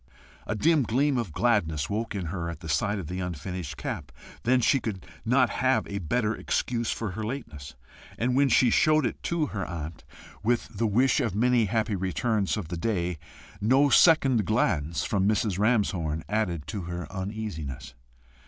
A dim gleam of gladness woke in her at the sight of the unfinished cap, than which she could not have a better excuse for her lateness, and when she showed it to her aunt with the wish of many happy returns of the day, no second glance from Mrs. Ramshorn added to her uneasiness.